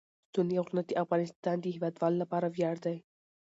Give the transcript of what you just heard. ستوني غرونه د افغانستان د هیوادوالو لپاره ویاړ دی.